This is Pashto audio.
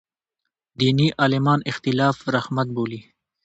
دیني عالمان اختلاف رحمت بولي.